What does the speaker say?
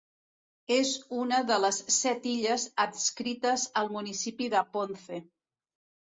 És una de les set illes adscrites al municipi de Ponce.